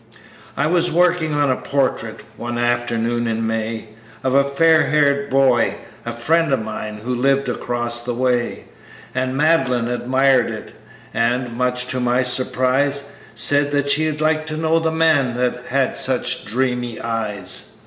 "I was working on a portrait, one afternoon in May, Of a fair haired boy, a friend of mine, who lived across the way. And Madeline admired it, and much to my surprise, Said she'd like to know the man that had such dreamy eyes.